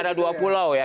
diantara dua pulau ya